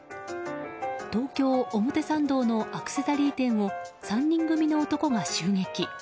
東京・表参道のアクセサリー店を３人組の男が襲撃。